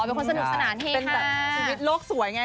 โอนะคะเป็นแบบชีวิตโลกสวยไง